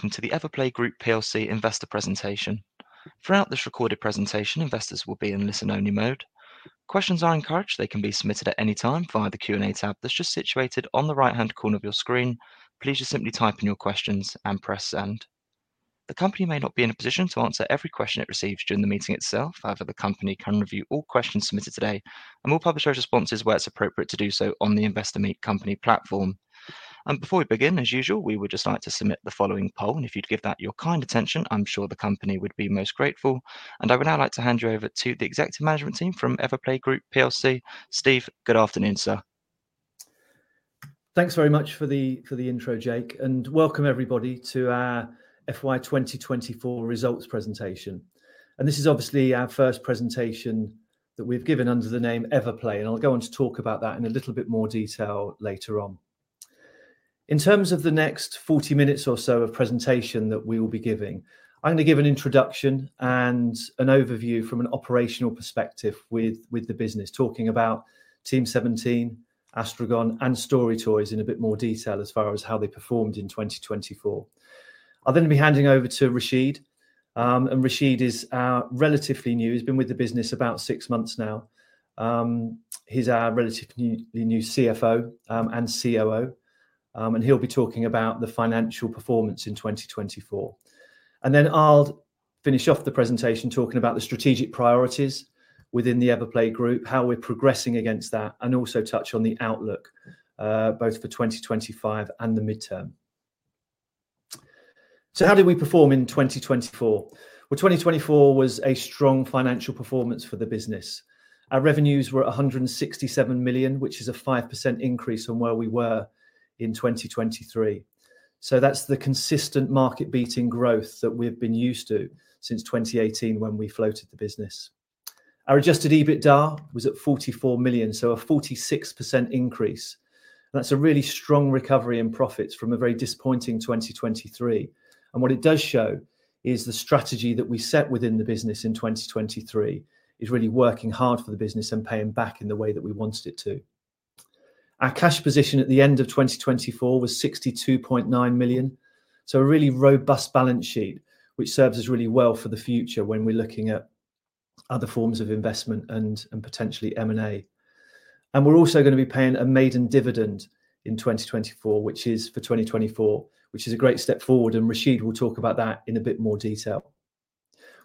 Welcome to the everplay group plc investor presentation. Throughout this recorded presentation, investors will be in listen-only mode. Questions are encouraged; they can be submitted at any time via the Q&A tab that's just situated on the right-hand corner of your screen. Please just simply type in your questions and press send. The company may not be in a position to answer every question it receives during the meeting itself. However, the company can review all questions submitted today and will publish those responses where it's appropriate to do so on the Investor Meet Company platform. Before we begin, as usual, we would just like to submit the following poll, and if you'd give that your kind attention, I'm sure the company would be most grateful. I would now like to hand you over to the executive management team from everplay group plc. Steve, good afternoon, sir. Thanks very much for the intro, Jake, and welcome everybody to our FY 2024 results presentation. This is obviously our first presentation that we've given under the name everplay, and I'll go on to talk about that in a little bit more detail later on. In terms of the next 40 minutes or so of presentation that we will be giving, I'm going to give an introduction and an overview from an operational perspective with the business, talking about Team17, astragon, and StoryToys in a bit more detail as far as how they performed in 2024. I'll then be handing over to Rashid, and Rashid is relatively new; he's been with the business about six months now. He's our relatively new CFO and COO, and he'll be talking about the financial performance in 2024. Then I'll finish off the presentation talking about the strategic priorities within the everplay group, how we're progressing against that, and also touch on the outlook both for 2025 and the midterm. How did we perform in 2024? 2024 was a strong financial performance for the business. Our revenues were 167 million, which is a 5% increase from where we were in 2023. That's the consistent market-beating growth that we've been used to since 2018 when we floated the business. Our adjusted EBITDA was 44 million, so a 46% increase. That's a really strong recovery in profits from a very disappointing 2023. What it does show is the strategy that we set within the business in 2023 is really working hard for the business and paying back in the way that we wanted it to. Our cash position at the end of 2024 was 62.9 million, so a really robust balance sheet, which serves us really well for the future when we are looking at other forms of investment and potentially M&A. We are also going to be paying a maiden dividend in 2024, which is for 2024, which is a great step forward, and Rashid will talk about that in a bit more detail.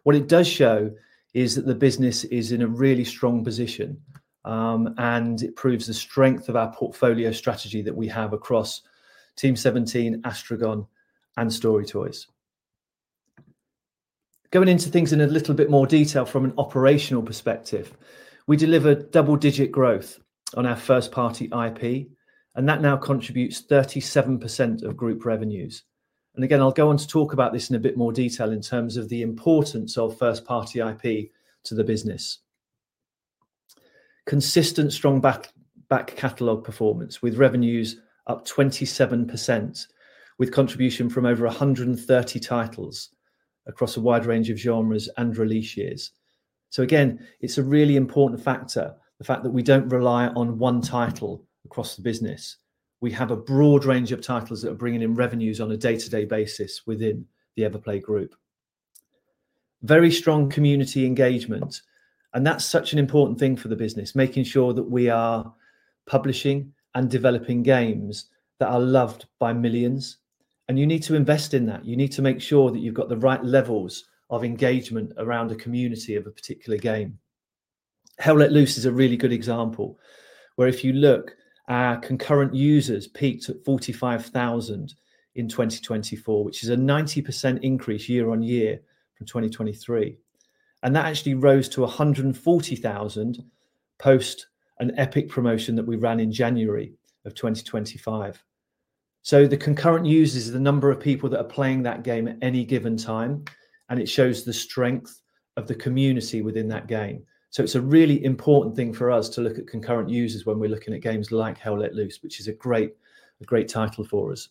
What it does show is that the business is in a really strong position, and it proves the strength of our portfolio strategy that we have across Team17, astragon, and StoryToys. Going into things in a little bit more detail from an operational perspective, we delivered double-digit growth on our first-party IP, and that now contributes 37% of group revenues. I'll go on to talk about this in a bit more detail in terms of the importance of first-party IP to the business. Consistent strong back catalog performance with revenues up 27%, with contribution from over 130 titles across a wide range of genres and release years. It's a really important factor, the fact that we don't rely on one title across the business. We have a broad range of titles that are bringing in revenues on a day-to-day basis within the everplay group. Very strong community engagement, and that's such an important thing for the business, making sure that we are publishing and developing games that are loved by millions. You need to invest in that. You need to make sure that you've got the right levels of engagement around a community of a particular game. Hell Let Loose is a really good example where if you look, our concurrent users peaked at 45,000 in 2024, which is a 90% increase year-on-year from 2023. That actually rose to 140,000 post an Epic promotion that we ran in January of 2025. The concurrent users are the number of people that are playing that game at any given time, and it shows the strength of the community within that game. It is a really important thing for us to look at concurrent users when we're looking at games like Hell Let Loose, which is a great title for us.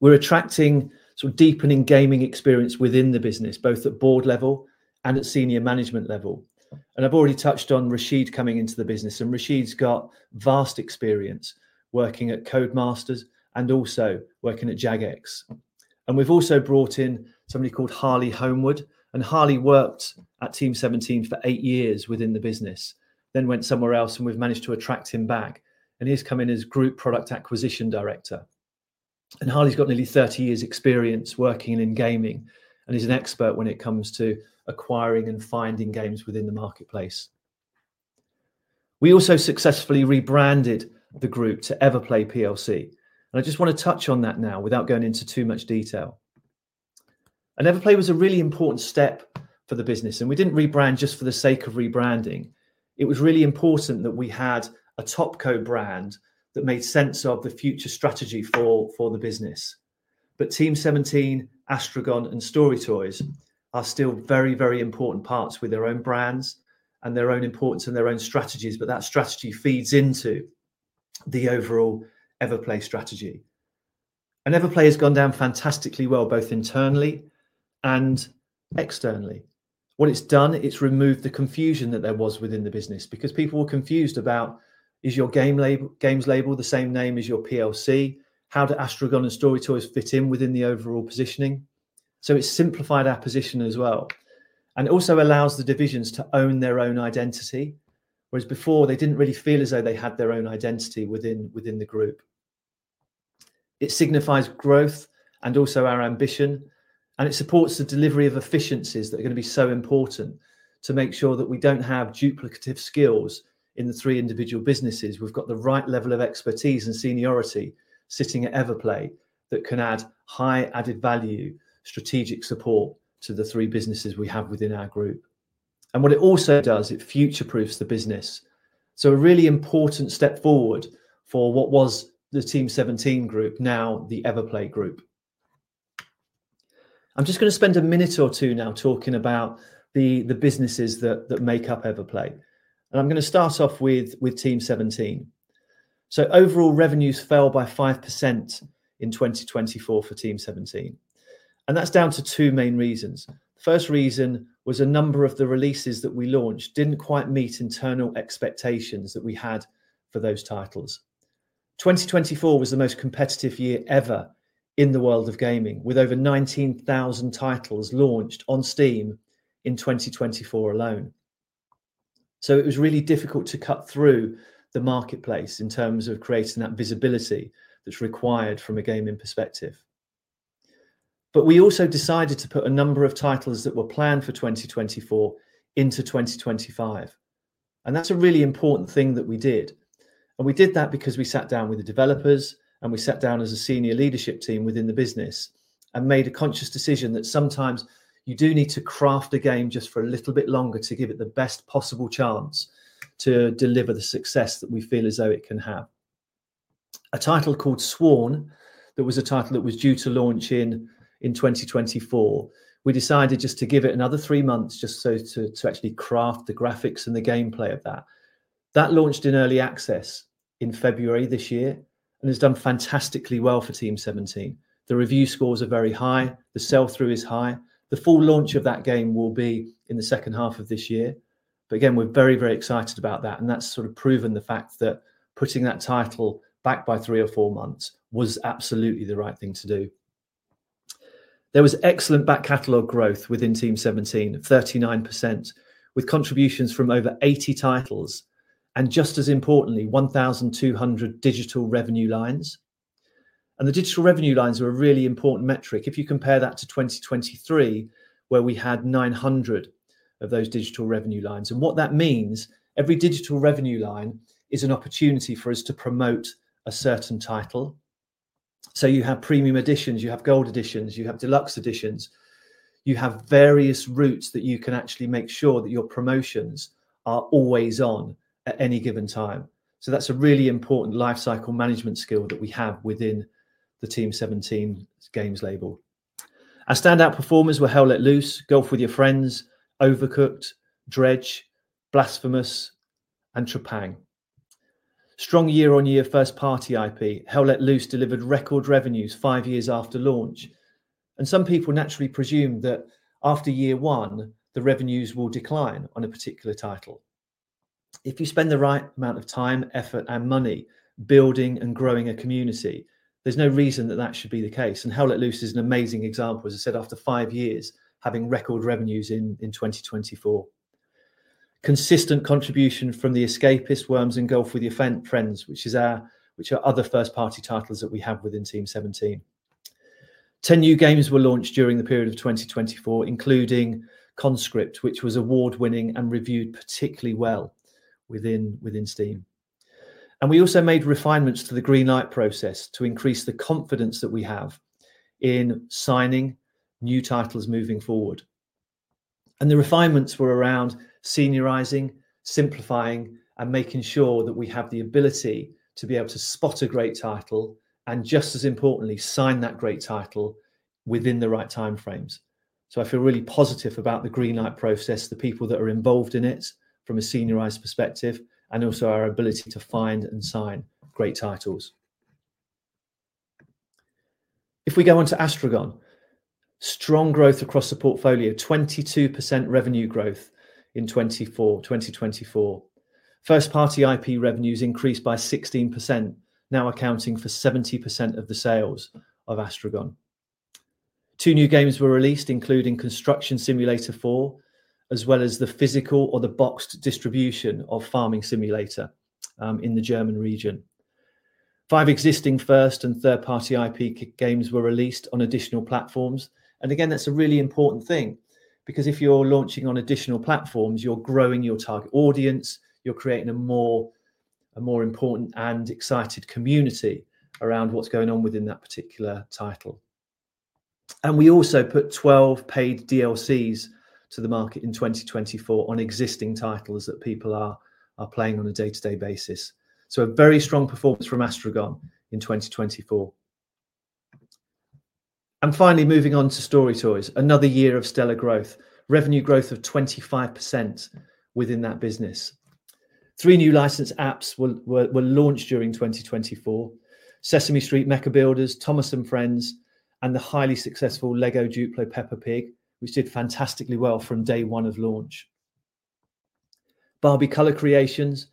We're attracting sort of deepening gaming experience within the business, both at board level and at senior management level. I have already touched on Rashid coming into the business, and Rashid's got vast experience working at Codemasters and also working at Jagex. We have also brought in somebody called Harley Homewood, and Harley worked at Team17 for eight years within the business, then went somewhere else, and we have managed to attract him back, and he has come in as Group Product Acquisition Director. Harley has got nearly 30 years' experience working in gaming and is an expert when it comes to acquiring and finding games within the marketplace. We also successfully rebranded the group to everplay plc, and I just want to touch on that now without going into too much detail. everplay was a really important step for the business, and we did not rebrand just for the sake of rebranding. It was really important that we had a top-co brand that made sense of the future strategy for the business. Team17, astragon, and StoryToys are still very, very important parts with their own brands and their own importance and their own strategies, but that strategy feeds into the overall everplay strategy. everplay has gone down fantastically well, both internally and externally. What it's done, it's removed the confusion that there was within the business because people were confused about, is your game's label the same name as your PLC? How do astragon and StoryToys fit in within the overall positioning? It has simplified our position as well and also allows the divisions to own their own identity, whereas before they did not really feel as though they had their own identity within the group. It signifies growth and also our ambition, and it supports the delivery of efficiencies that are going to be so important to make sure that we do not have duplicative skills in the three individual businesses. We have got the right level of expertise and seniority sitting at everplay that can add high added value, strategic support to the three businesses we have within our group. What it also does, it future-proofs the business. A really important step forward for what was the Team17 Group, now the everplay group. I am just going to spend a minute or two now talking about the businesses that make up everplay. I am going to start off with Team17. Overall revenues fell by 5% in 2024 for Team17, and that is down to two main reasons. The first reason was a number of the releases that we launched did not quite meet internal expectations that we had for those titles. 2024 was the most competitive year ever in the world of gaming, with over 19,000 titles launched on Steam in 2024 alone. It was really difficult to cut through the marketplace in terms of creating that visibility that is required from a gaming perspective. We also decided to put a number of titles that were planned for 2024 into 2025, and that is a really important thing that we did. We did that because we sat down with the developers and we sat down as a senior leadership team within the business and made a conscious decision that sometimes you do need to craft a game just for a little bit longer to give it the best possible chance to deliver the success that we feel as though it can have. A title called SWORN, there was a title that was due to launch in 2024. We decided just to give it another three months just so to actually craft the graphics and the gameplay of that. That launched in early access in February this year and has done fantastically well for Team17. The review scores are very high, the sell-through is high. The full launch of that game will be in the second half of this year. We are very, very excited about that, and that has proven the fact that putting that title back by three or four months was absolutely the right thing to do. There was excellent back catalog growth within Team17 of 39%, with contributions from over 80 titles and just as importantly, 1,200 digital revenue lines. The digital revenue lines were a really important metric. If you compare that to 2023, where we had 900 of those digital revenue lines. What that means is every digital revenue line is an opportunity for us to promote a certain title. You have premium editions, you have gold editions, you have deluxe editions. You have various routes that you can actually make sure that your promotions are always on at any given time. That is a really important lifecycle management skill that we have within the Team17 games label. Our standout performers were Hell Let Loose, Golf With Your Friends, Overcooked, Dredge, Blasphemous, and Trepang. Strong year-on-year first-party IP. Hell Let Loose delivered record revenues five years after launch, and some people naturally presume that after year one, the revenues will decline on a particular title. If you spend the right amount of time, effort, and money building and growing a community, there is no reason that that should be the case. Hell Let Loose is an amazing example, as I said, after five years having record revenues in 2024. Consistent contribution from The Escapists, Worms, and Golf With Your Friends, which are other first-party titles that we have within Team17. Ten new games were launched during the period of 2024, including Conscript, which was award-winning and reviewed particularly well within Steam. We also made refinements to the green light process to increase the confidence that we have in signing new titles moving forward. The refinements were around seniorizing, simplifying, and making sure that we have the ability to be able to spot a great title and, just as importantly, sign that great title within the right time frames. I feel really positive about the green light process, the people that are involved in it from a seniorized perspective, and also our ability to find and sign great titles. If we go on to astragon, strong growth across the portfolio, 22% revenue growth in 2024. First-party IP revenues increased by 16%, now accounting for 70% of the sales of astragon. Two new games were released, including Construction Simulator 4, as well as the physical or the boxed distribution of Farming Simulator in the German region. Five existing first and third-party IP games were released on additional platforms. That is a really important thing because if you are launching on additional platforms, you are growing your target audience, you are creating a more important and excited community around what is going on within that particular title. We also put 12 paid DLCs to the market in 2024 on existing titles that people are playing on a day-to-day basis. A very strong performance from astragon in 2024. Finally, moving on to StoryToys, another year of stellar growth, revenue growth of 25% within that business. Three new licensed apps were launched during 2024: Sesame Street Mecha Builders, Thomas & Friends, and the highly successful LEGO DUPLO Peppa Pig, which did fantastically well from day one of launch. Barbie Color Creations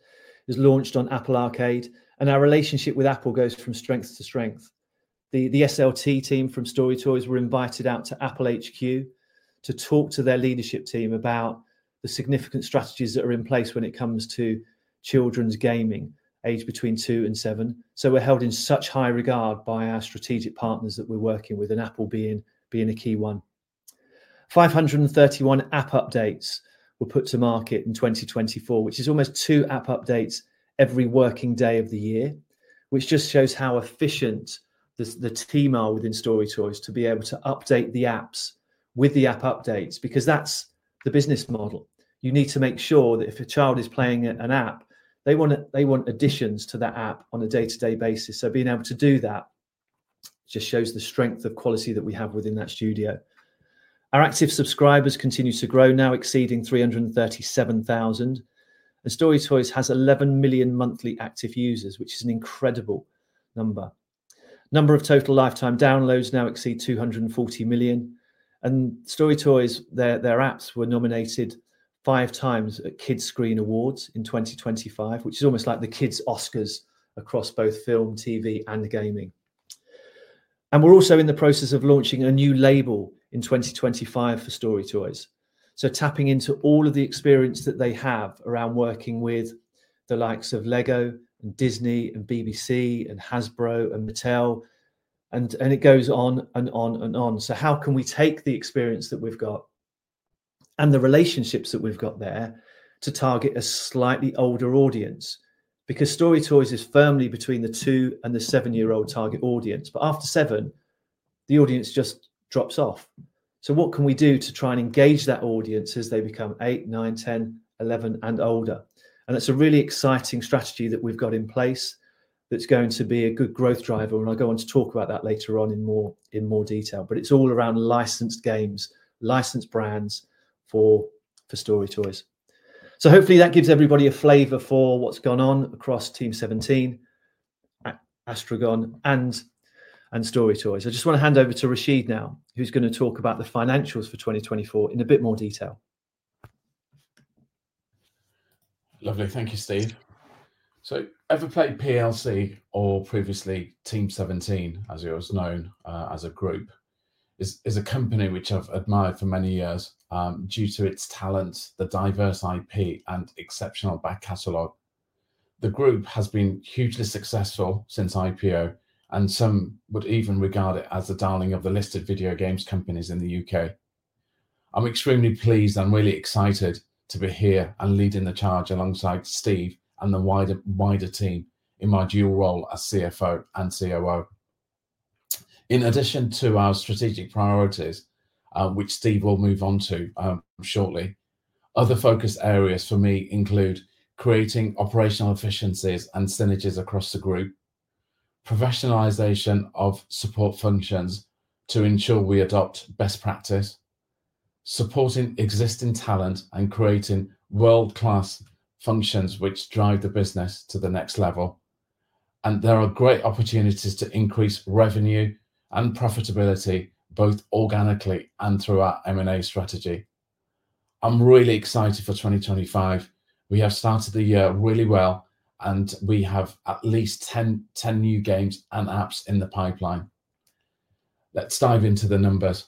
is launched on Apple Arcade, and our relationship with Apple goes from strength to strength. The SLT team from StoryToys were invited out to Apple HQ to talk to their leadership team about the significant strategies that are in place when it comes to children's gaming aged between two and seven. We are held in such high regard by our strategic partners that we are working with, and Apple being a key one. 531 app updates were put to market in 2024, which is almost two app updates every working day of the year, which just shows how efficient the team are within StoryToys to be able to update the apps with the app updates because that is the business model. You need to make sure that if a child is playing an app, they want additions to that app on a day-to-day basis. Being able to do that just shows the strength of quality that we have within that studio. Our active subscribers continue to grow, now exceeding 337,000, and StoryToys has 11 million monthly active users, which is an incredible number. Number of total lifetime downloads now exceed 240 million, and StoryToys, their apps, were nominated five times at Kidscreen Awards in 2025, which is almost like the Kids Oscars across both film, TV, and gaming. We are also in the process of launching a new label in 2025 for StoryToys. Tapping into all of the experience that they have around working with the likes of LEGO and Disney and BBC and Hasbro and Mattel, and it goes on and on and on. How can we take the experience that we've got and the relationships that we've got there to target a slightly older audience? Because StoryToys is firmly between the two and the seven-year-old target audience, but after seven, the audience just drops off. What can we do to try and engage that audience as they become 8, 9, 10, 11, and older? That is a really exciting strategy that we've got in place that's going to be a good growth driver, and I'll go on to talk about that later on in more detail, but it's all around licensed games, licensed brands for StoryToys. Hopefully that gives everybody a flavor for what's gone on across Team17, astragon, and StoryToys. I just want to hand over to Rashid now, who's going to talk about the financials for 2024 in a bit more detail. Lovely. Thank you, Steve. everplay plc, or previously Team17, as it was known as a group, is a company which I've admired for many years due to its talent, the diverse IP, and exceptional back catalog. The group has been hugely successful since IPO, and some would even regard it as the darling of the listed video games companies in the U.K. I'm extremely pleased and really excited to be here and leading the charge alongside Steve and the wider team in my dual role as CFO and COO. In addition to our strategic priorities, which Steve will move on to shortly, other focus areas for me include creating operational efficiencies and synergies across the group, professionalization of support functions to ensure we adopt best practice, supporting existing talent, and creating world-class functions which drive the business to the next level. There are great opportunities to increase revenue and profitability both organically and through our M&A strategy. I'm really excited for 2025. We have started the year really well, and we have at least 10 new games and apps in the pipeline. Let's dive into the numbers.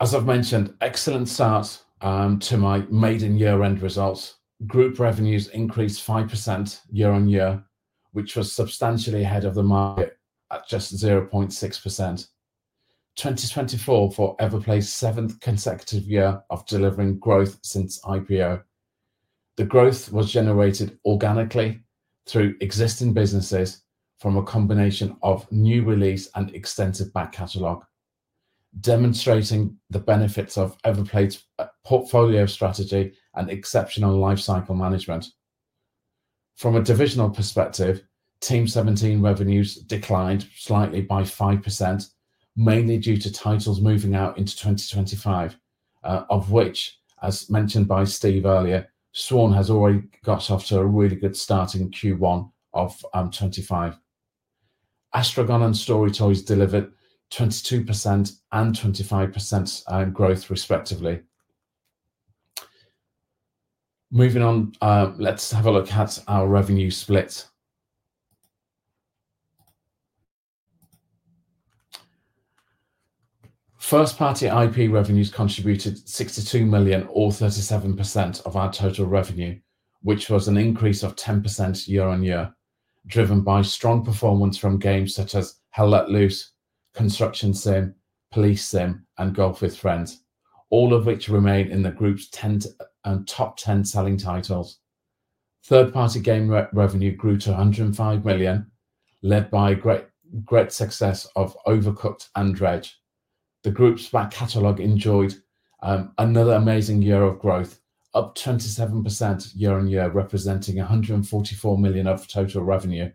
As I've mentioned, excellent start to my made-in-year-end results. Group revenues increased 5% year-on-year, which was substantially ahead of the market at just 0.6%. 2024 for everplay's seventh consecutive year of delivering growth since IPO. The growth was generated organically through existing businesses from a combination of new release and extensive back catalog, demonstrating the benefits of everplay's portfolio strategy and exceptional lifecycle management. From a divisional perspective, Team17 revenues declined slightly by 5%, mainly due to titles moving out into 2025, of which, as mentioned by Steve earlier, SWORN has already got off to a really good start in Q1 of 2025. astragon and StoryToys delivered 22% and 25% growth, respectively. Moving on, let's have a look at our revenue split. First-party IP revenues contributed 62 million, or 37% of our total revenue, which was an increase of 10% year-on-year, driven by strong performance from games such as Hell Let Loose, Construction Sim, Police Sim, and Golf With Your Friends, all of which remain in the group's top 10 selling titles. Third-party game revenue grew to 105 million, led by a great success of Overcooked and Dredge. The group's back catalog enjoyed another amazing year of growth, up 27% year-on-year, representing 144 million of total revenue.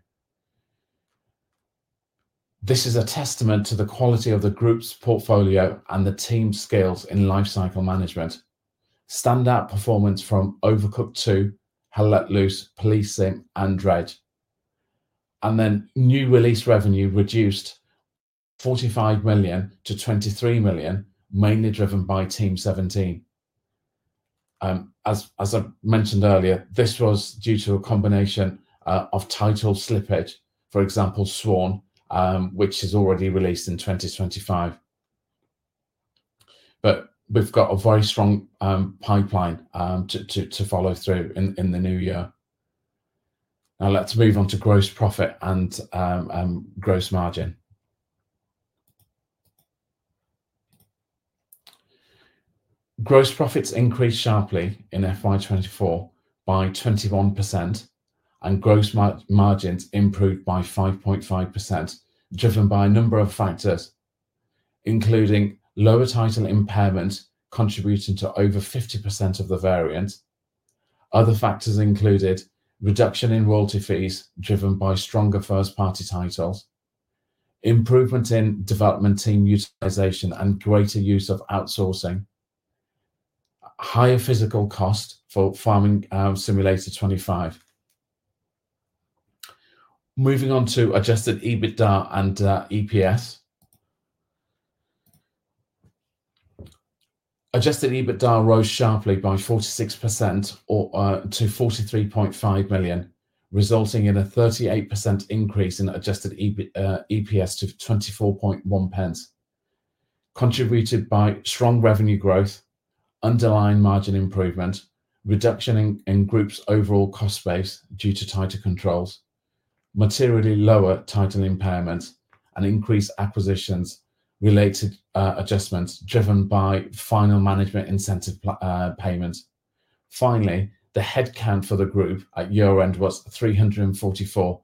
This is a testament to the quality of the group's portfolio and the team's skills in lifecycle management. Standout performance from Overcooked 2, Hell Let Loose, Police Sim, and Dredge. New release revenue reduced 45 million to 23 million, mainly driven by Team17. As I mentioned earlier, this was due to a combination of title slippage, for example, SWORN, which is already released in 2025. We have a very strong pipeline to follow through in the new year. Now let's move on to gross profit and gross margin. Gross profits increased sharply in FY 2024 by 21%, and gross margins improved by 5.5%, driven by a number of factors, including lower title impairments contributing to over 50% of the variant. Other factors included reduction in royalty fees driven by stronger first-party titles, improvement in development team utilization, and greater use of outsourcing, higher physical cost for Farming Simulator 25. Moving on to adjusted EBITDA and EPS. Adjusted EBITDA rose sharply by 46% to 43.5 million, resulting in a 38% increase in adjusted EPS to 0.241, contributed by strong revenue growth, underlying margin improvement, reduction in group's overall cost base due to tighter controls, materially lower title impairments, and increased acquisitions related adjustments driven by final management incentive payments. Finally, the headcount for the group at year-end was 344,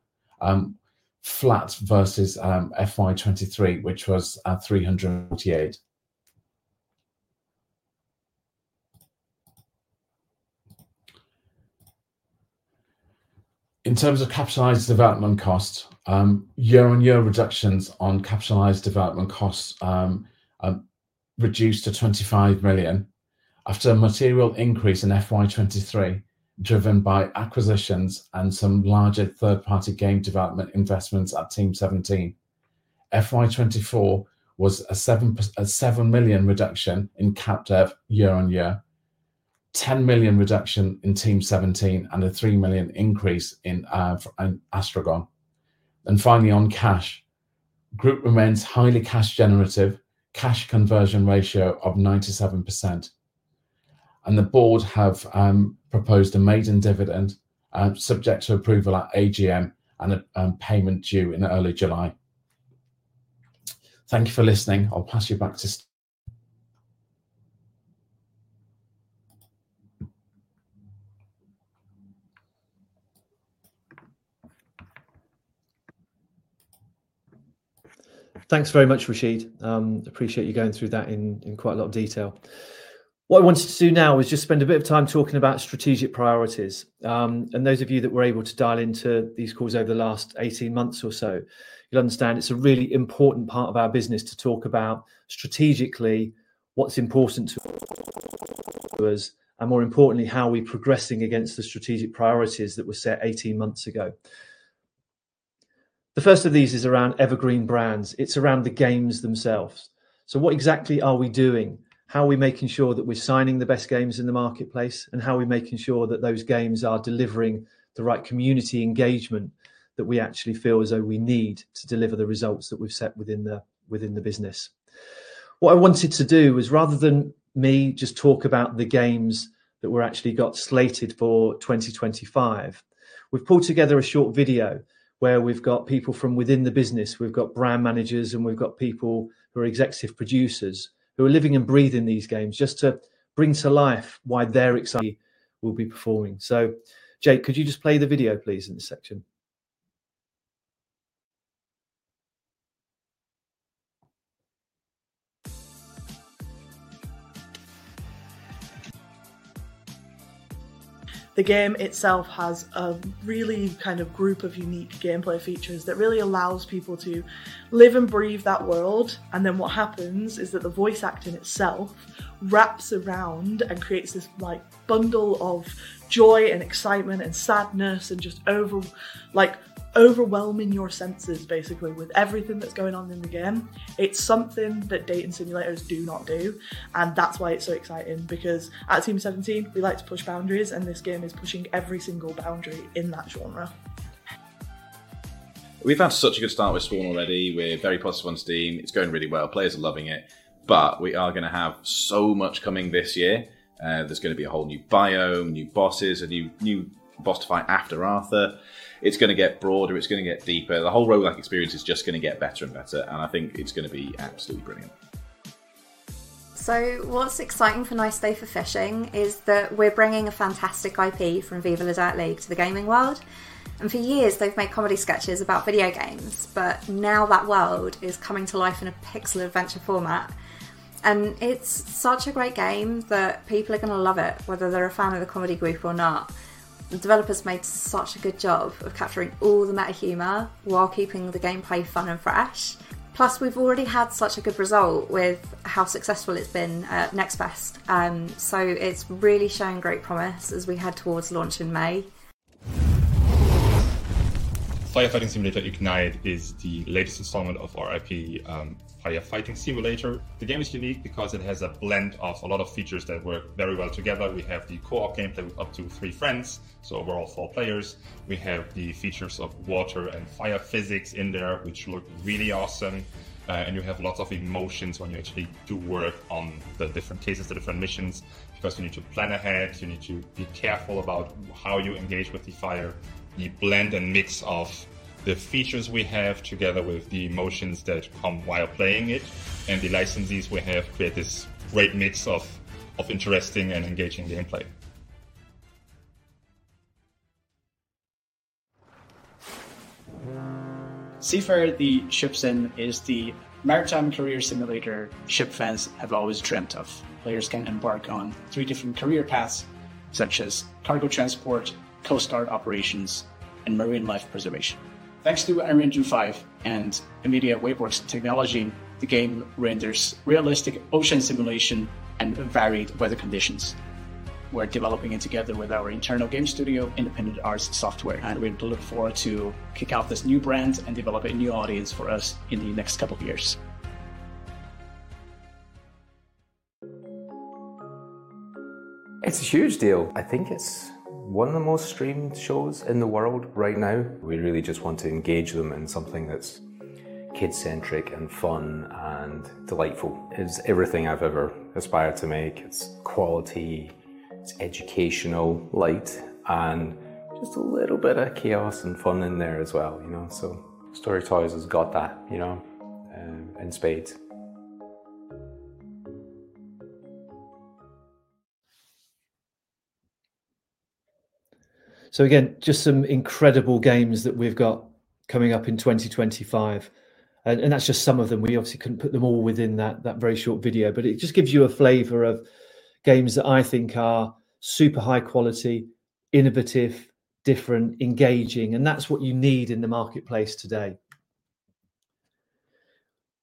flat versus FY 2023, which was 348. In terms of capitalized development costs, year-on-year reductions on capitalized development costs reduced to 25 million after a material increase in FY 2023 driven by acquisitions and some larger third-party game development investments at Team17. FY 2024 was a 7 million reduction in capitalized development year-on-year, 10 million reduction in Team17, and a 3 million increase in astragon. Finally, on cash, group remains highly cash-generative, cash conversion ratio of 97%. The board have proposed a maiden dividend subject to approval at AGM and a payment due in early July. Thank you for listening. I'll pass you back to Steve. Thanks very much, Rashid. Appreciate you going through that in quite a lot of detail. What I wanted to do now is just spend a bit of time talking about strategic priorities. Those of you that were able to dial into these calls over the last 18 months or so, you'll understand it's a really important part of our business to talk about strategically what's important to us, and more importantly, how are we progressing against the strategic priorities that were set 18 months ago? The first of these is around evergreen brands. It's around the games themselves. What exactly are we doing? How are we making sure that we're signing the best games in the marketplace, and how are we making sure that those games are delivering the right community engagement that we actually feel as though we need to deliver the results that we've set within the business? What I wanted to do was, rather than me just talk about the games that we actually got slated for 2025, we have pulled together a short video where we have got people from within the business. We have got brand managers, and we have got people who are executive producers who are living and breathing these games just to bring to life why they are excited. We will be performing. Jake, could you just play the video, please, in this section? The game itself has a really kind of group of unique gameplay features that really allows people to live and breathe that world. What happens is that the voice acting itself wraps around and creates this bundle of joy and excitement and sadness and just overwhelming your senses, basically, with everything that is going on in the game. It is something that dating simulators do not do. That is why it is so exciting, because at Team17, we like to push boundaries, and this game is pushing every single boundary in that genre. We have had such a good start with SWORN already. We are very positive on Steam. It is going really well. Players are loving it. We are going to have so much coming this year. There is going to be a whole new biome, new bosses, a new boss to fight after Arthur. It is going to get broader. It is going to get deeper. The whole roguelike experience is just going to get better and better. I think it is going to be absolutely brilliant. What is exciting for Nice Day for Fishing is that we are bringing a fantastic IP from Viva La Dirt League to the gaming world. For years, they've made comedy sketches about video games, but now that world is coming to life in a pixel adventure format. It is such a great game that people are going to love it, whether they're a fan of the comedy group or not. The developers made such a good job of capturing all the meta humor while keeping the gameplay fun and fresh. Plus, we've already had such a good result with how successful it's been at Next Fest. It is really showing great promise as we head towards launch in May. Firefighting Simulator: Ignite is the latest installment of our IP Firefighting Simulator. The game is unique because it has a blend of a lot of features that work very well together. We have the co-op gameplay with up to three friends, so we're all four players. We have the features of water and fire physics in there, which look really awesome. You have lots of emotions when you actually do work on the different cases, the different missions, because you need to plan ahead. You need to be careful about how you engage with the fire. The blend and mix of the features we have together with the emotions that come while playing it and the licenses we have create this great mix of interesting and engaging gameplay. Seafarer: The Ship Sim is the maritime career simulator ship fans have always dreamt of. Players can embark on three different career paths, such as cargo transport, coast guard operations, and marine life preservation. Thanks to Unreal Engine 5 and NVIDIA WaveWorks Technology, the game renders realistic ocean simulation and varied weather conditions. We are developing it together with our internal game studio, Independent Arts Software. We look forward to kick off this new brand and develop a new audience for us in the next couple of years. It's a huge deal. I think it's one of the most streamed shows in the world right now. We really just want to engage them in something that's kid-centric and fun and delightful. It's everything I've ever aspired to make. It's quality. It's educational light and just a little bit of chaos and fun in there as well. You know, StoryToys has got that, you know, in spades. Again, just some incredible games that we've got coming up in 2025. That's just some of them. We obviously couldn't put them all within that very short video, but it just gives you a flavor of games that I think are super high quality, innovative, different, engaging. That is what you need in the marketplace today.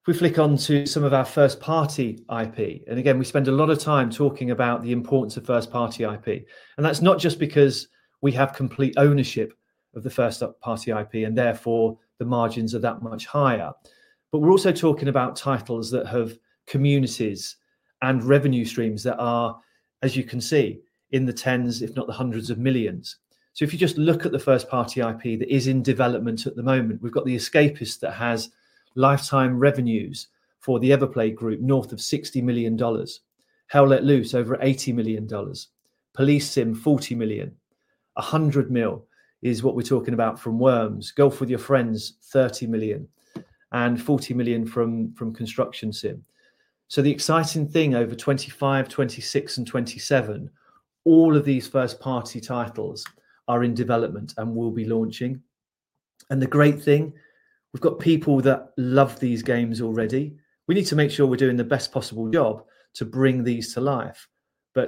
If we flick on to some of our first-party IP, and again, we spend a lot of time talking about the importance of first-party IP. That is not just because we have complete ownership of the first-party IP and therefore the margins are that much higher. We are also talking about titles that have communities and revenue streams that are, as you can see, in the tens, if not the hundreds of millions. If you just look at the first-party IP that is in development at the moment, we have got The Escapists that has lifetime revenues for the everplay group north of 60 million dollars, Hell Let Loose over 80 million dollars, Police Sim 40 million, 100 million is what we are talking about from Worms, Golf With Your Friends 30 million, and 40 million from Construction Sim. The exciting thing over 2025, 2026, and 2027, all of these first-party titles are in development and will be launching. The great thing, we've got people that love these games already. We need to make sure we're doing the best possible job to bring these to life.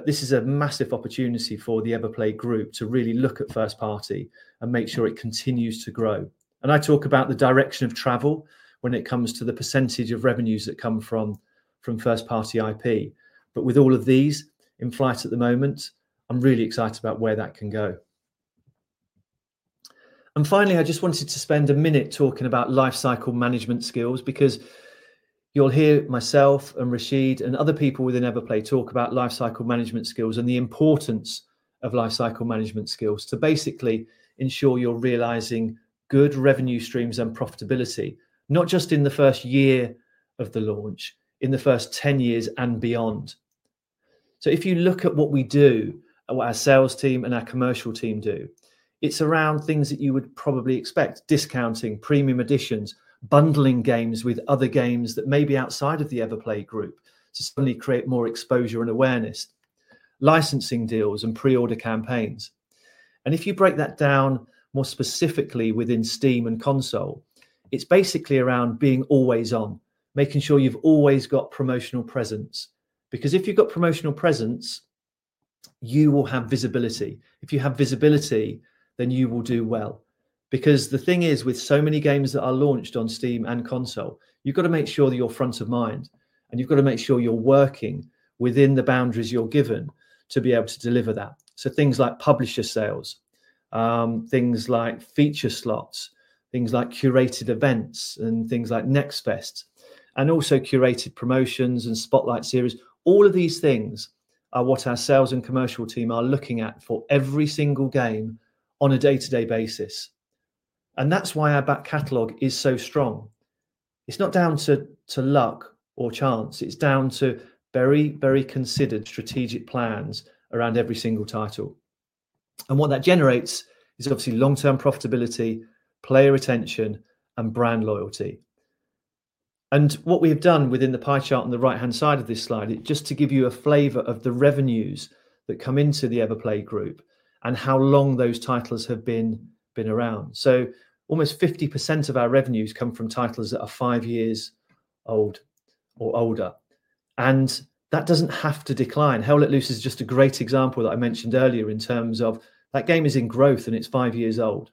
This is a massive opportunity for the everplay group to really look at first-party and make sure it continues to grow. I talk about the direction of travel when it comes to the percentage of revenues that come from first-party IP. With all of these in flight at the moment, I'm really excited about where that can go. Finally, I just wanted to spend a minute talking about lifecycle management skills because you'll hear myself and Rashid and other people within everplay talk about lifecycle management skills and the importance of lifecycle management skills to basically ensure you're realizing good revenue streams and profitability, not just in the first year of the launch, in the first 10 years and beyond. If you look at what we do, what our sales team and our commercial team do, it's around things that you would probably expect: discounting, premium editions, bundling games with other games that may be outside of the everplay group to suddenly create more exposure and awareness, licensing deals and pre-order campaigns. If you break that down more specifically within Steam and console, it's basically around being always on, making sure you've always got promotional presence. Because if you've got promotional presence, you will have visibility. If you have visibility, then you will do well. The thing is, with so many games that are launched on Steam and console, you've got to make sure that you're front of mind, and you've got to make sure you're working within the boundaries you're given to be able to deliver that. Things like publisher sales, things like feature slots, things like curated events, things like Next Fest, and also curated promotions and spotlight series. All of these things are what our sales and commercial team are looking at for every single game on a day-to-day basis. That is why our back catalog is so strong. It's not down to luck or chance. It's down to very, very considered strategic plans around every single title. What that generates is obviously long-term profitability, player retention, and brand loyalty. What we have done within the pie chart on the right-hand side of this slide, just to give you a flavor of the revenues that come into the everplay group and how long those titles have been around. Almost 50% of our revenues come from titles that are five years old or older. That does not have to decline. Hell Let Loose is just a great example that I mentioned earlier in terms of that game is in growth and it is five years old.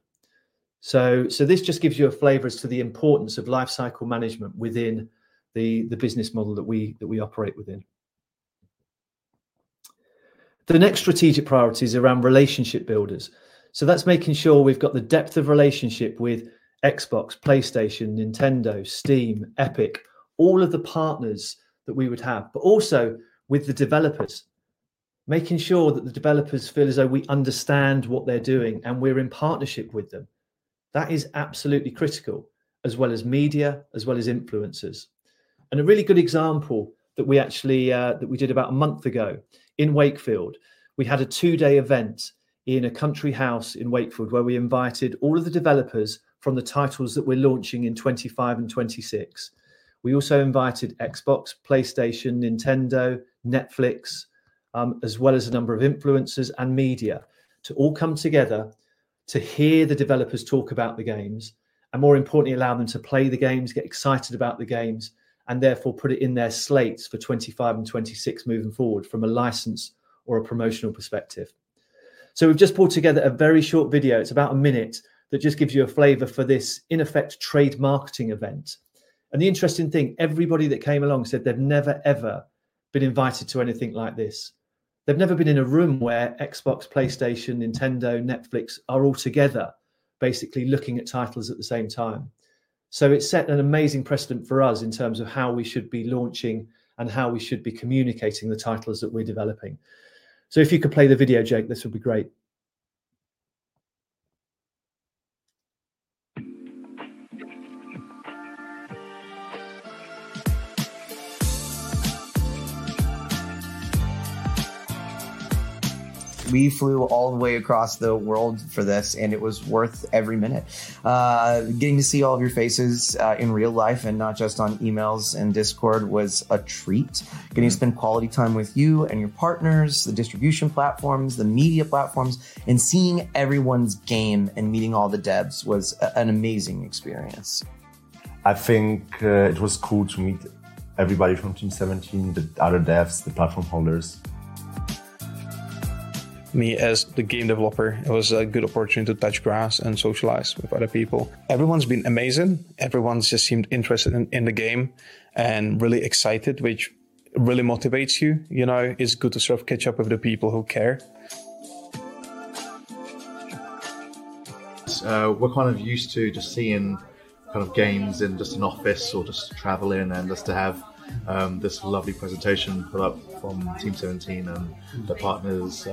This just gives you a flavor as to the importance of lifecycle management within the business model that we operate within. The next strategic priority is around relationship builders. That is making sure we have the depth of relationship with Xbox, PlayStation, Nintendo, Steam, Epic, all of the partners that we would have, but also with the developers, making sure that the developers feel as though we understand what they are doing and we are in partnership with them. That is absolutely critical, as well as media, as well as influencers. A really good example that we actually did about a month ago in Wakefield, we had a two-day event in a country house in Wakefield where we invited all of the developers from the titles that we are launching in 2025 and 2026. We also invited Xbox, PlayStation, Nintendo, Netflix, as well as a number of influencers and media to all come together to hear the developers talk about the games and, more importantly, allow them to play the games, get excited about the games, and therefore put it in their slates for 2025 and 2026 moving forward from a license or a promotional perspective. We have just pulled together a very short video. It is about a minute that just gives you a flavor for this, in effect, trade marketing event. The interesting thing, everybody that came along said they have never, ever been invited to anything like this. They have never been in a room where Xbox, PlayStation, Nintendo, Netflix are all together, basically looking at titles at the same time. It set an amazing precedent for us in terms of how we should be launching and how we should be communicating the titles that we're developing. If you could play the video, Jake, this would be great. We flew all the way across the world for this, and it was worth every minute. Getting to see all of your faces in real life and not just on emails and Discord was a treat. Getting to spend quality time with you and your partners, the distribution platforms, the media platforms, and seeing everyone's game and meeting all the devs was an amazing experience. I think it was cool to meet everybody from Team17, the other devs, the platform holders. Me, as the game developer, it was a good opportunity to touch grass and socialize with other people. Everyone's been amazing. Everyone's just seemed interested in the game and really excited, which really motivates you. You know, it's good to sort of catch up with the people who care. We're kind of used to just seeing kind of games in just an office or just traveling and just to have this lovely presentation put up from Team17 and the partners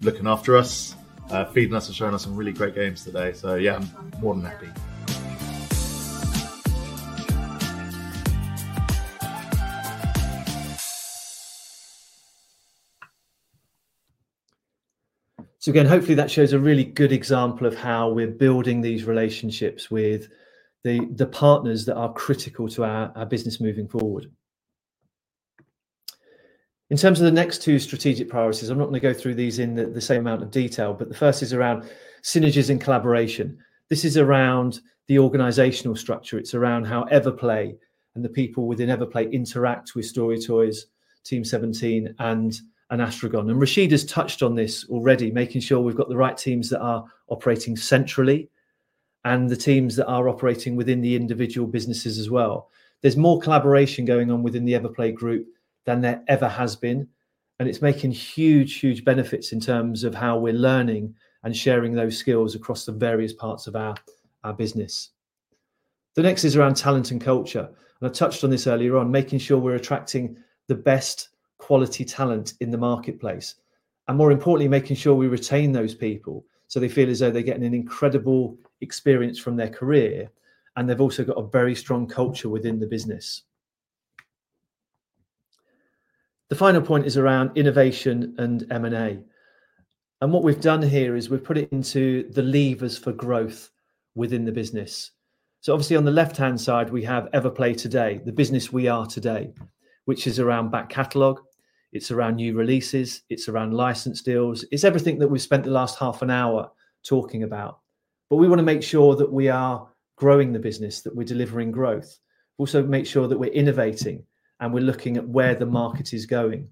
looking after us, feeding us and showing us some really great games today. Yeah, I'm more than happy. Again, hopefully that shows a really good example of how we're building these relationships with the partners that are critical to our business moving forward. In terms of the next two strategic priorities, I'm not going to go through these in the same amount of detail, but the first is around synergies and collaboration. This is around the organizational structure. It's around how everplay and the people within everplay interact with StoryToys, Team17, and astragon. Rashid has touched on this already, making sure we've got the right teams that are operating centrally and the teams that are operating within the individual businesses as well. There's more collaboration going on within the everplay group than there ever has been. It's making huge, huge benefits in terms of how we're learning and sharing those skills across the various parts of our business. The next is around talent and culture. I've touched on this earlier on, making sure we're attracting the best quality talent in the marketplace. More importantly, making sure we retain those people so they feel as though they're getting an incredible experience from their career and they've also got a very strong culture within the business. The final point is around innovation and M&A. What we've done here is we've put it into the levers for growth within the business. Obviously on the left-hand side, we have everplay today, the business we are today, which is around back catalog. It's around new releases. It's around license deals. It's everything that we've spent the last half an hour talking about. We want to make sure that we are growing the business, that we're delivering growth. We also make sure that we're innovating and we're looking at where the market is going.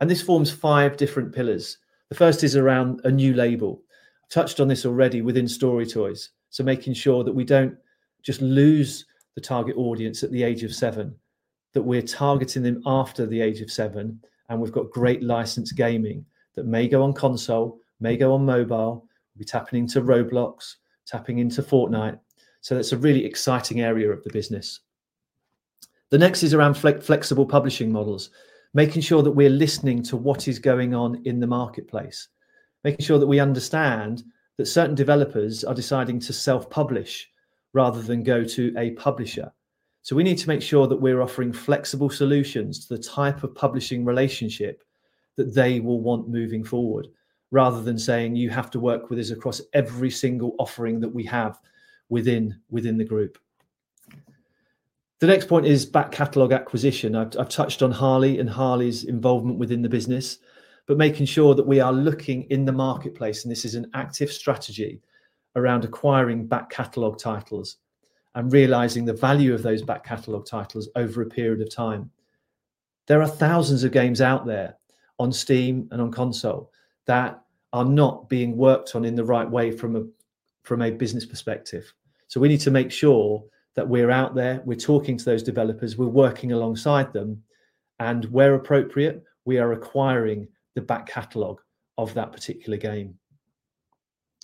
This forms five different pillars. The first is around a new label. I've touched on this already within StoryToys. Making sure that we do not just lose the target audience at the age of seven, that we are targeting them after the age of seven, and we have great licensed gaming that may go on console, may go on mobile, be tapping into Roblox, tapping into Fortnite. That is a really exciting area of the business. The next is around flexible publishing models, making sure that we are listening to what is going on in the marketplace, making sure that we understand that certain developers are deciding to self-publish rather than go to a publisher. We need to make sure that we are offering flexible solutions to the type of publishing relationship that they will want moving forward, rather than saying you have to work with us across every single offering that we have within the group. The next point is back catalog acquisition. I've touched on Harley and Harley's involvement within the business, but making sure that we are looking in the marketplace, and this is an active strategy around acquiring back catalog titles and realizing the value of those back catalog titles over a period of time. There are thousands of games out there on Steam and on console that are not being worked on in the right way from a business perspective. We need to make sure that we're out there, we're talking to those developers, we're working alongside them, and where appropriate, we are acquiring the back catalog of that particular game.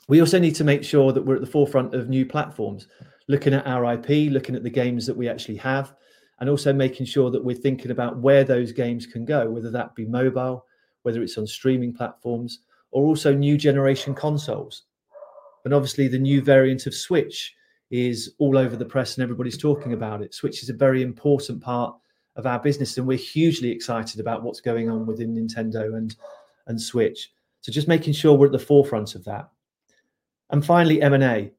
We also need to make sure that we're at the forefront of new platforms, looking at our IP, looking at the games that we actually have, and also making sure that we're thinking about where those games can go, whether that be mobile, whether it's on streaming platforms, or also new generation consoles. Obviously, the new variant of Switch is all over the press and everybody's talking about it. Switch is a very important part of our business, and we're hugely excited about what's going on within Nintendo and Switch. Just making sure we're at the forefront of that. Finally, M&A.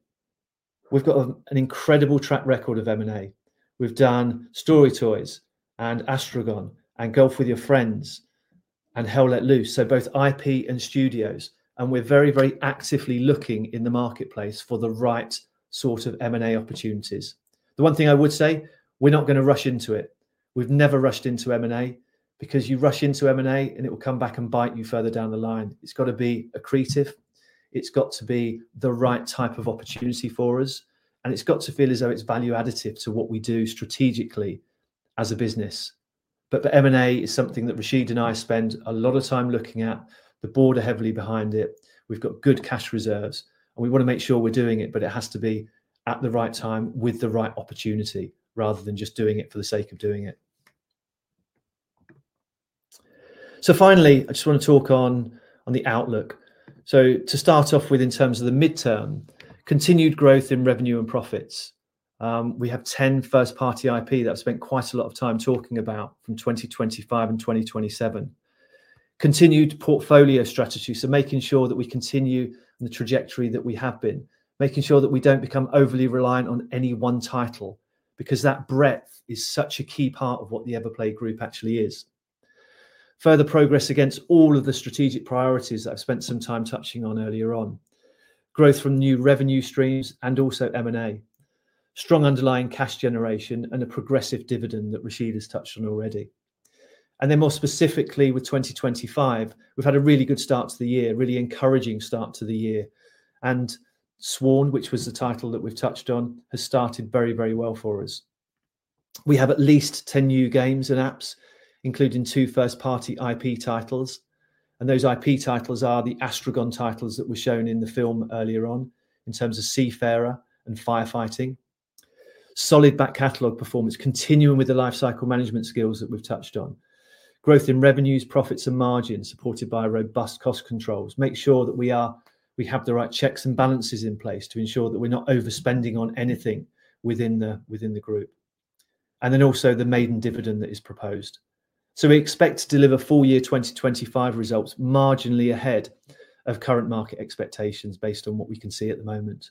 We've got an incredible track record of M&A. We've done StoryToys and astragon and Golf With Your Friends and Hell Let Loose, so both IP and studios, and we're very, very actively looking in the marketplace for the right sort of M&A opportunities. The one thing I would say, we're not going to rush into it. We've never rushed into M&A because you rush into M&A and it will come back and bite you further down the line. It's got to be accretive. It's got to be the right type of opportunity for us, and it's got to feel as though it's value additive to what we do strategically as a business. M&A is something that Rashid and I spend a lot of time looking at. The board are heavily behind it. We've got good cash reserves, and we want to make sure we're doing it, but it has to be at the right time with the right opportunity rather than just doing it for the sake of doing it. Finally, I just want to talk on the outlook. To start off with, in terms of the midterm, continued growth in revenue and profits. We have 10 first-party IP that I've spent quite a lot of time talking about from 2025 and 2027. Continued portfolio strategy, so making sure that we continue the trajectory that we have been, making sure that we do not become overly reliant on any one title because that breadth is such a key part of what the everplay group actually is. Further progress against all of the strategic priorities that I've spent some time touching on earlier on. Growth from new revenue streams and also M&A. Strong underlying cash generation and a progressive dividend that Rashid has touched on already. More specifically with 2025, we've had a really good start to the year, really encouraging start to the year. SWORN, which was the title that we've touched on, has started very, very well for us. We have at least 10 new games and apps, including two first-party IP titles. Those IP titles are the astragon titles that were shown in the film earlier on in terms of Seafarer and Firefighting. Solid back catalog performance, continuing with the lifecycle management skills that we've touched on. Growth in revenues, profits, and margins supported by robust cost controls. Make sure that we have the right checks and balances in place to ensure that we're not overspending on anything within the group. Also, the maiden dividend that is proposed. We expect to deliver full year 2025 results marginally ahead of current market expectations based on what we can see at the moment.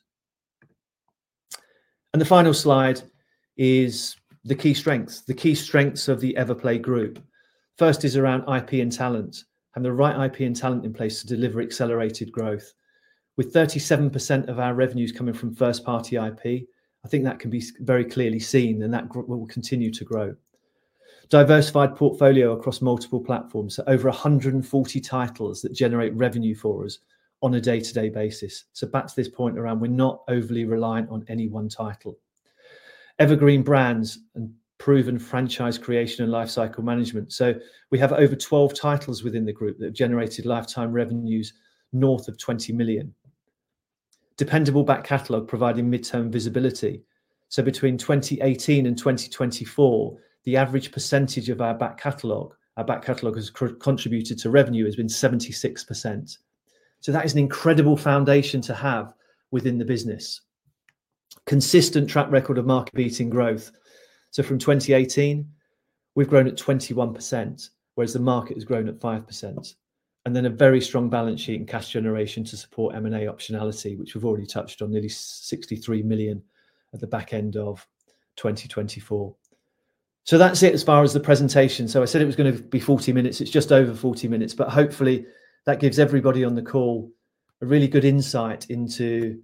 The final slide is the key strengths, the key strengths of the everplay group. First is around IP and talent and the right IP and talent in place to deliver accelerated growth. With 37% of our revenues coming from first-party IP, I think that can be very clearly seen and that will continue to grow. Diversified portfolio across multiple platforms, over 140 titles that generate revenue for us on a day-to-day basis. Back to this point around we're not overly reliant on any one title. Evergreen brands and proven franchise creation and lifecycle management. We have over 12 titles within the group that have generated lifetime revenues north of 20 million. Dependable back catalog providing midterm visibility. Between 2018 and 2024, the average percentage of our back catalog, our back catalog has contributed to revenue has been 76%. That is an incredible foundation to have within the business. Consistent track record of market beating growth. From 2018, we've grown at 21%, whereas the market has grown at 5%. A very strong balance sheet and cash generation support M&A optionality, which we've already touched on, nearly 63 million at the back end of 2024. That's it as far as the presentation. I said it was going to be 40 minutes. It's just over 40 minutes, but hopefully that gives everybody on the call a really good insight into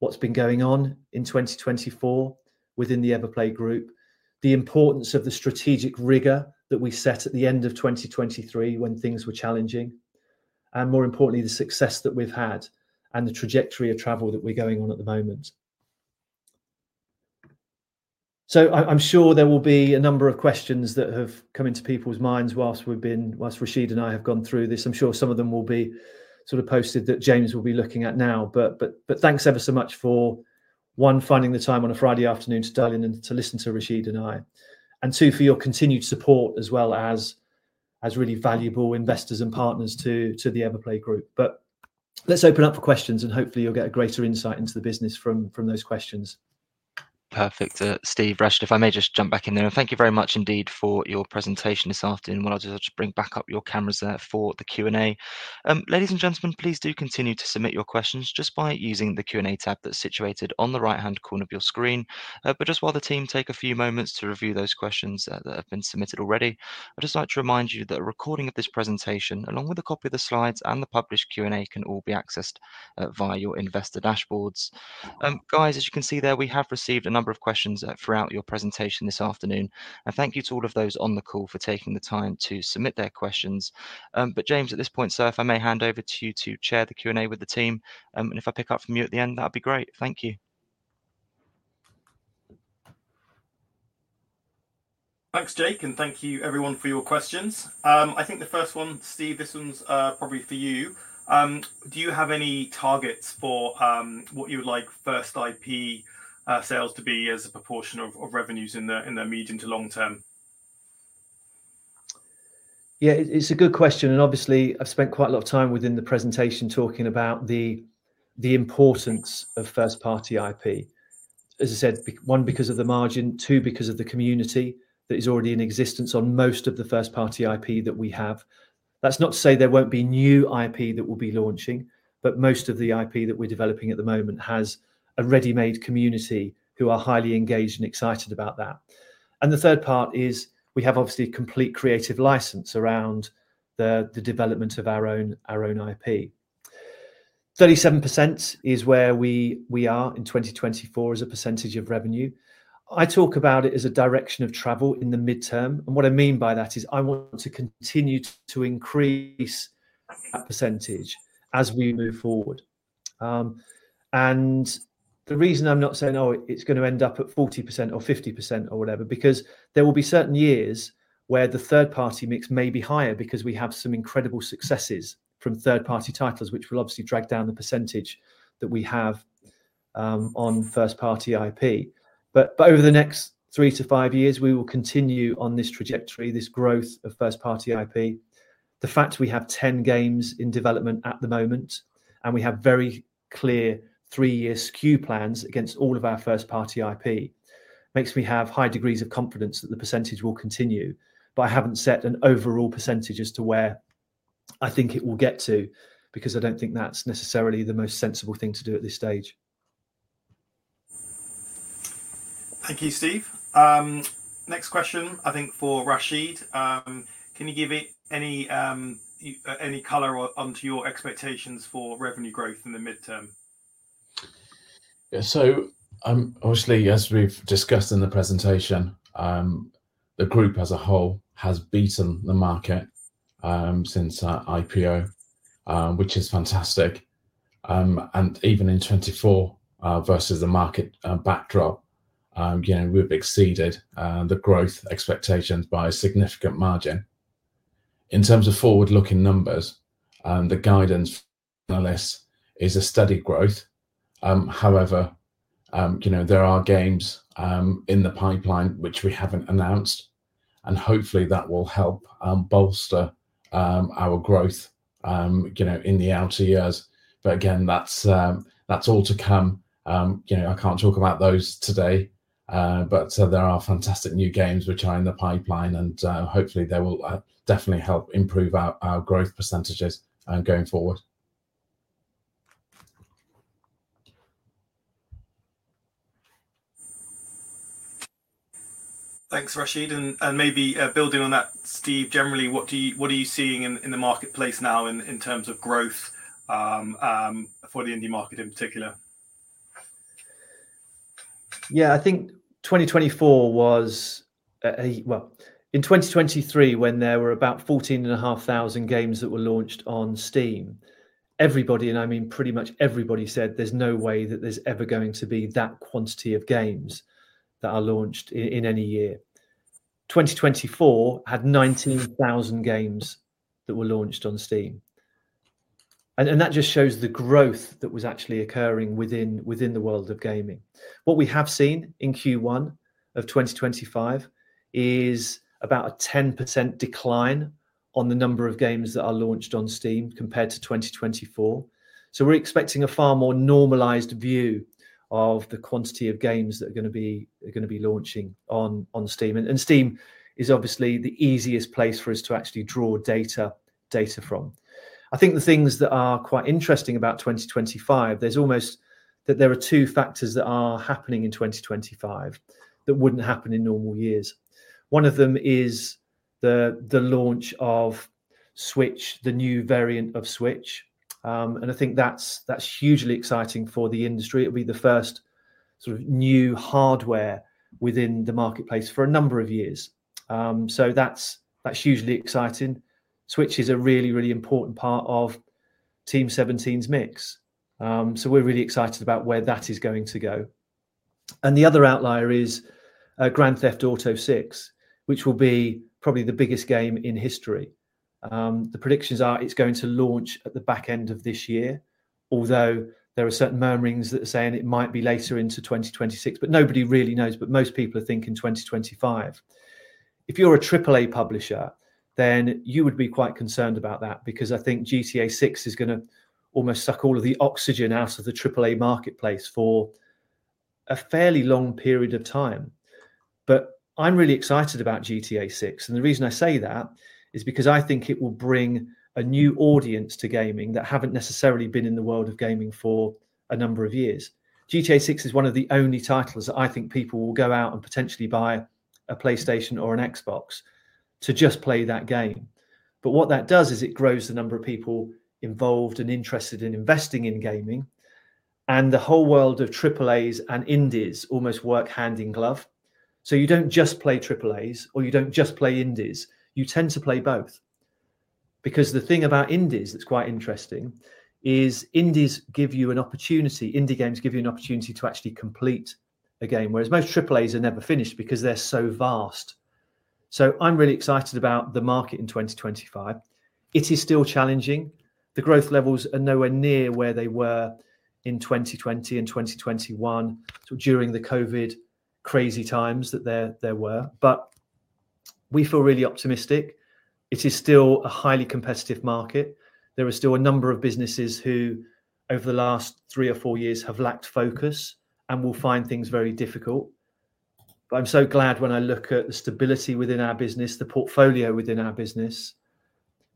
what's been going on in 2024 within the everplay group, the importance of the strategic rigor that we set at the end of 2023 when things were challenging, and more importantly, the success that we've had and the trajectory of travel that we're going on at the moment. I'm sure there will be a number of questions that have come into people's minds whilst Rashid and I have gone through this. I'm sure some of them will be sort of posted that James will be looking at now. Thanks ever so much for, one, finding the time on a Friday afternoon to dial in and to listen to Rashid and I, and two, for your continued support as well as really valuable investors and partners to the everplay group. Let's open up for questions and hopefully you'll get a greater insight into the business from those questions. Perfect. Steve, Rashid, if I may just jump back in there, and thank you very much indeed for your presentation this afternoon. While I just bring back up your cameras there for the Q&A. Ladies and gentlemen, please do continue to submit your questions just by using the Q&A tab that's situated on the right-hand corner of your screen. While the team take a few moments to review those questions that have been submitted already, I'd just like to remind you that a recording of this presentation, along with a copy of the slides and the published Q&A, can all be accessed via your investor dashboards. Guys, as you can see there, we have received a number of questions throughout your presentation this afternoon. Thank you to all of those on the call for taking the time to submit their questions. James, at this point, sir, if I may hand over to you to chair the Q&A with the team, and if I pick up from you at the end, that would be great. Thank you. Thanks, Jake, and thank you everyone for your questions. I think the first one, Steve, this one's probably for you. Do you have any targets for what you would like first IP sales to be as a proportion of revenues in the medium to long term? Yeah, it's a good question. Obviously, I've spent quite a lot of time within the presentation talking about the importance of first-party IP. As I said, one, because of the margin, two, because of the community that is already in existence on most of the first-party IP that we have. That's not to say there won't be new IP that we'll be launching, but most of the IP that we're developing at the moment has a ready-made community who are highly engaged and excited about that. The third part is we have obviously complete creative license around the development of our own IP. 37% is where we are in 2024 as a percentage of revenue. I talk about it as a direction of travel in the midterm. What I mean by that is I want to continue to increase that percentage as we move forward. The reason I'm not saying, oh, it's going to end up at 40% or 50% or whatever, is because there will be certain years where the third-party mix may be higher because we have some incredible successes from third-party titles, which will obviously drag down the percentage that we have on first-party IP. Over the next three to five years, we will continue on this trajectory, this growth of first-party IP. The fact we have 10 games in development at the moment, and we have very clear three-year SKU plans against all of our first-party IP, makes me have high degrees of confidence that the percentage will continue. But I haven't set an overall percentage as to where I think it will get to because I don't think that's necessarily the most sensible thing to do at this stage. Thank you, Steve. Next question, I think for Rashid. Can you give any color onto your expectations for revenue growth in the midterm? Yeah, so obviously, as we've discussed in the presentation, the group as a whole has beaten the market since IPO, which is fantastic. Even in 2024, versus the market backdrop, we've exceeded the growth expectations by a significant margin. In terms of forward-looking numbers, the guidance analyst is a steady growth. However, there are games in the pipeline which we haven't announced, and hopefully that will help bolster our growth in the outer years. Again, that's all to come. I can't talk about those today, but there are fantastic new games which are in the pipeline, and hopefully they will definitely help improve our growth percentages going forward. Thanks, Rashid. Maybe building on that, Steve, generally, what are you seeing in the marketplace now in terms of growth for the indie market in particular? Yeah, I think 2024 was, well, in 2023, when there were about 14,500 games that were launched on Steam, everybody, and I mean pretty much everybody, said there's no way that there's ever going to be that quantity of games that are launched in any year. 2024 had 19,000 games that were launched on Steam. That just shows the growth that was actually occurring within the world of gaming. What we have seen in Q1 of 2025 is about a 10% decline on the number of games that are launched on Steam compared to 2024. We are expecting a far more normalized view of the quantity of games that are going to be launching on Steam. Steam is obviously the easiest place for us to actually draw data from. I think the things that are quite interesting about 2025, there are almost two factors that are happening in 2025 that would not happen in normal years. One of them is the launch of Switch, the new variant of Switch. I think that is hugely exciting for the industry. It will be the first sort of new hardware within the marketplace for a number of years. That is hugely exciting. Switch is a really, really important part of Team17's mix. We're really excited about where that is going to go. The other outlier is Grand Theft Auto VI, which will be probably the biggest game in history. The predictions are it's going to launch at the back end of this year, although there are certain murmurings that are saying it might be later into 2026, but nobody really knows, but most people are thinking 2025. If you're a AAA publisher, then you would be quite concerned about that because I think GTA VI is going to almost suck all of the oxygen out of the AAA marketplace for a fairly long period of time. I'm really excited about GTA VI. The reason I say that is because I think it will bring a new audience to gaming that haven't necessarily been in the world of gaming for a number of years. GTA VI is one of the only titles that I think people will go out and potentially buy a PlayStation or an Xbox to just play that game. What that does is it grows the number of people involved and interested in investing in gaming. The whole world of AAAs and indies almost work hand in glove. You do not just play AAAs or you do not just play indies. You tend to play both. The thing about indies that is quite interesting is indies give you an opportunity, indie games give you an opportunity to actually complete a game, whereas most AAAs are never finished because they are so vast. I am really excited about the market in 2025. It is still challenging. The growth levels are nowhere near where they were in 2020 and 2021, during the COVID crazy times that there were. We feel really optimistic. It is still a highly competitive market. There are still a number of businesses who over the last three or four years have lacked focus and will find things very difficult. I am so glad when I look at the stability within our business, the portfolio within our business,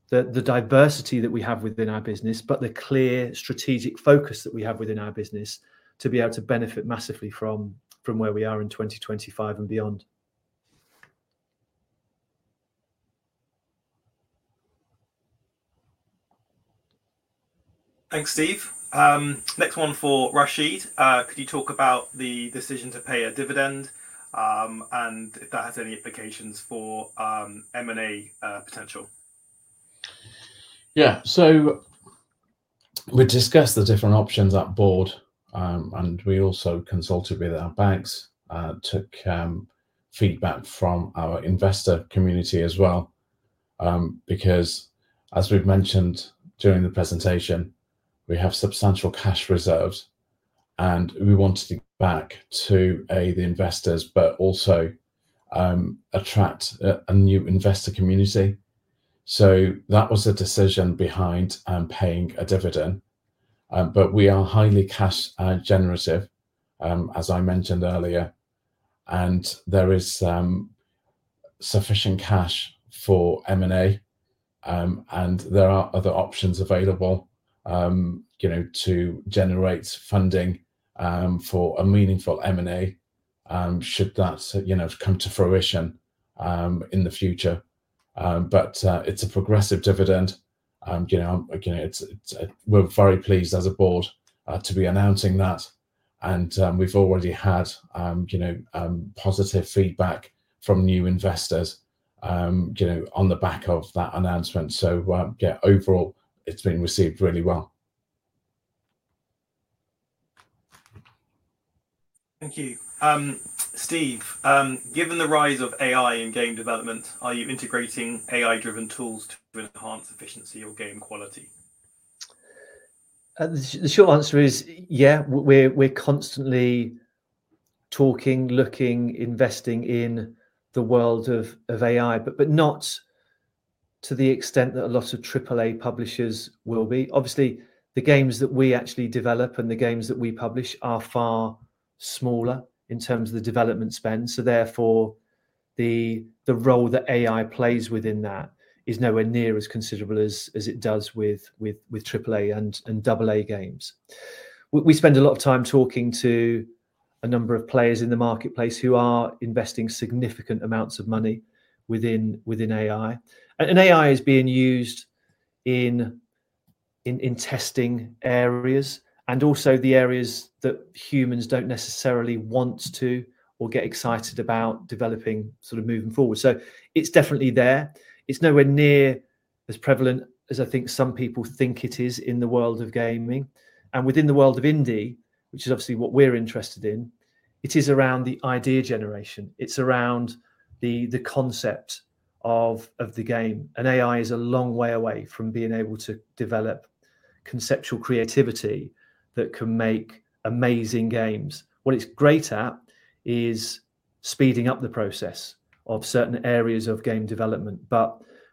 the diversity that we have within our business, the clear strategic focus that we have within our business to be able to benefit massively from where we are in 2025 and beyond. Thanks, Steve. Next one for Rashid. Could you talk about the decision to pay a dividend and if that has any implications for M&A potential? Yeah, we discussed the different options at board, and we also consulted with our banks, took feedback from our investor community as well. Because as we've mentioned during the presentation, we have substantial cash reserves, and we wanted to get back to the investors, but also attract a new investor community. That was the decision behind paying a dividend. We are highly cash generative, as I mentioned earlier, and there is sufficient cash for M&A, and there are other options available to generate funding for a meaningful M&A should that come to fruition in the future. It is a progressive dividend. We're very pleased as a board to be announcing that. We've already had positive feedback from new investors on the back of that announcement. Overall, it's been received really well. Thank you. Steve, given the rise of AI in game development, are you integrating AI-driven tools to enhance efficiency or game quality? The short answer is, yeah, we're constantly talking, looking, investing in the world of AI, but not to the extent that a lot of AAA publishers will be. Obviously, the games that we actually develop and the games that we publish are far smaller in terms of the development spend. Therefore, the role that AI plays within that is nowhere near as considerable as it does with AAA and AA games. We spend a lot of time talking to a number of players in the marketplace who are investing significant amounts of money within AI. AI is being used in testing areas and also the areas that humans do not necessarily want to or get excited about developing sort of moving forward. It is definitely there. It is nowhere near as prevalent as I think some people think it is in the world of gaming. Within the world of indie, which is obviously what we're interested in, it is around the idea generation. It's around the concept of the game. AI is a long way away from being able to develop conceptual creativity that can make amazing games. What it's great at is speeding up the process of certain areas of game development.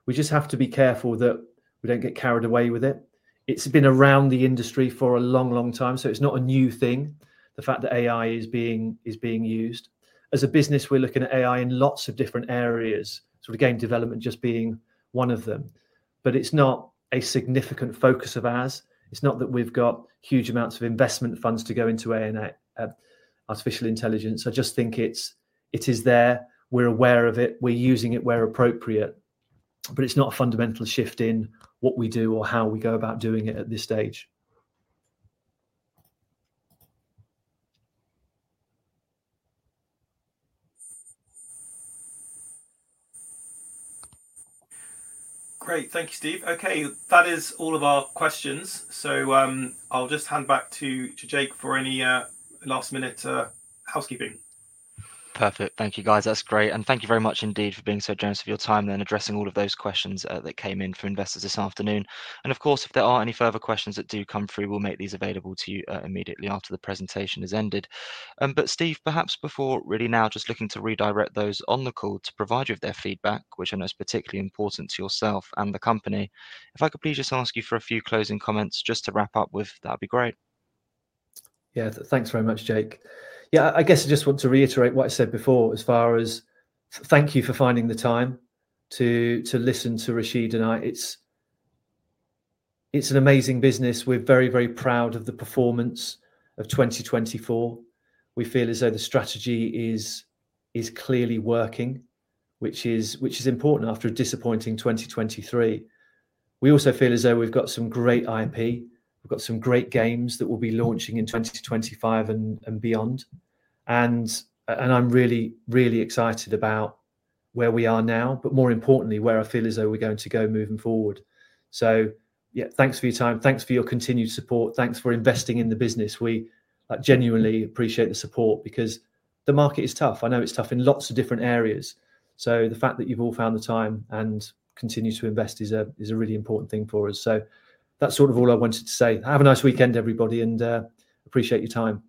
We just have to be careful that we do not get carried away with it. It's been around the industry for a long, long time. It is not a new thing, the fact that AI is being used. As a business, we're looking at AI in lots of different areas, sort of game development just being one of them. It is not a significant focus of ours. It is not that we've got huge amounts of investment funds to go into artificial intelligence. I just think it is there. We're aware of it. We're using it where appropriate. But it's not a fundamental shift in what we do or how we go about doing it at this stage. Great. Thank you, Steve. Okay, that is all of our questions. I will just hand back to Jake for any last-minute housekeeping. Perfect. Thank you, guys. That's great. Thank you very much indeed for being so generous of your time and addressing all of those questions that came in from investors this afternoon. Of course, if there are any further questions that do come through, we will make these available to you immediately after the presentation has ended. Steve, perhaps before really now just looking to redirect those on the call to provide you with their feedback, which I know is particularly important to yourself and the company. If I could please just ask you for a few closing comments just to wrap up with, that would be great. Yeah, thanks very much, Jake. Yeah, I guess I just want to reiterate what I said before as far as thank you for finding the time to listen to Rashid and I. It's an amazing business. We're very, very proud of the performance of 2024. We feel as though the strategy is clearly working, which is important after a disappointing 2023. We also feel as though we've got some great IP. We've got some great games that will be launching in 2025 and beyond. I am really, really excited about where we are now, but more importantly, where I feel as though we're going to go moving forward. Yeah, thanks for your time. Thanks for your continued support. Thanks for investing in the business. We genuinely appreciate the support because the market is tough. I know it's tough in lots of different areas. The fact that you've all found the time and continue to invest is a really important thing for us. That's sort of all I wanted to say. Have a nice weekend, everybody, and appreciate your time.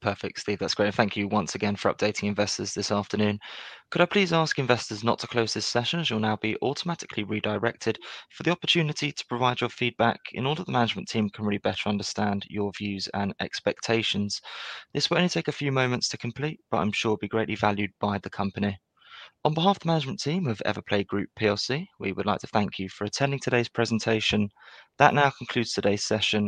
Perfect, Steve. That's great. Thank you once again for updating investors this afternoon. Could I please ask investors not to close this session as you'll now be automatically redirected for the opportunity to provide your feedback in order for the management team to really better understand your views and expectations? This will only take a few moments to complete, but I'm sure it will be greatly valued by the company. On behalf of the management team of everplay group plc, we would like to thank you for attending today's presentation. That now concludes today's session.